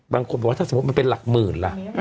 บางคนบอกว่าถ้าสมมุติมันเป็นหลักหมื่นล่ะ